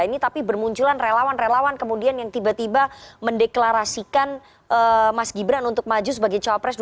ini tapi bermunculan relawan relawan kemudian yang tiba tiba mendeklarasikan mas gibran untuk maju sebagai cawapres dua ribu sembilan